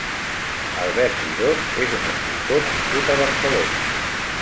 Albert Girós és un escultor nascut a Barcelona.